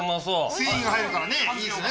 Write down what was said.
繊維が入るからいいですね